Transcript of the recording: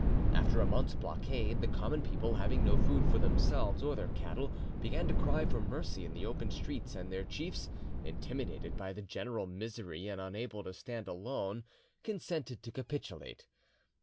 After a month's blockade, the common people, having no food for themselves or their cattle, began to cry for mercy in the open streets, and their chiefs, intimidated by the general misery and unable to stand alone, consented to capitulate.